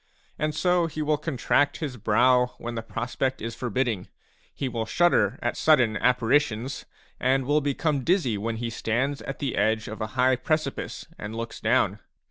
And so he will contract his brow when the prospect is forbidding, will shudder at sudden apparitions, and will become dizzy when he stands at the edge of a high precipice and looks down.